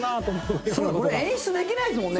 中居：これ演出できないですもんね。